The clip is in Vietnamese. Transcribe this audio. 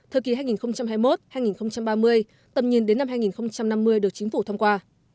thời kỳ hai nghìn hai mươi một hai nghìn ba mươi tầm nhìn đến năm hai nghìn năm mươi được chính phủ thông qua